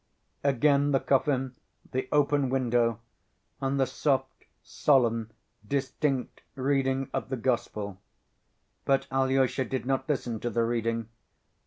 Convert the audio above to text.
Again the coffin, the open window, and the soft, solemn, distinct reading of the Gospel. But Alyosha did not listen to the reading.